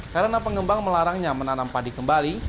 karena pengembang melarangnya menanam padi kembali